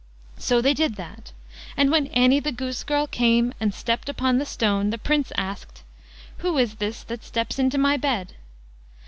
So they did that, and when Annie the goose girl came and stepped upon the stone the Prince asked: "Who is this that steps into my bed?"